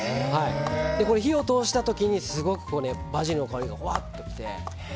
火を通した時にすごくバジルの香りがほわっと来て。